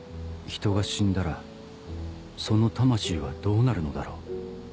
人が死んだらその魂はどうなるのだろう